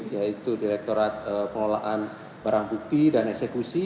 yaitu direktorat pengolahan barang bukti dan eksekusi